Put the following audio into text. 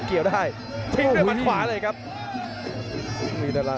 เกี่ยวได้ทิ้งด้วยมัดขวาเลยครับ